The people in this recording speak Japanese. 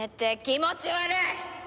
気持ち悪い！